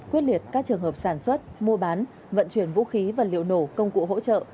quyết liệt các trường hợp sản xuất mua bán vận chuyển vũ khí và liệu nổ công cụ hỗ trợ